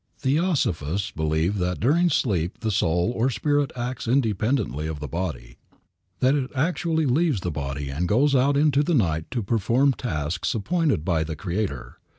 Theosophists believe that during sleep the soul or spirit acts independently of the body; that it actually leaves the body and goes out into the night to perform tasks appointed it by the Creator.